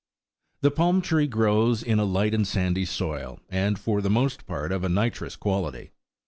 The palm tree grows in a light and sandy soil, and for the most part of a nitrous quality.